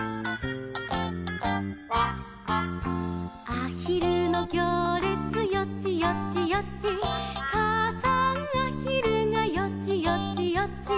「あひるのぎょうれつよちよちよち」「かあさんあひるがよちよちよち」